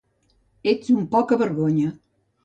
Ets un poca vergonya